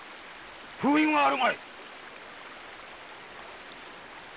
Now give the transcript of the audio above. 封印はあるまい？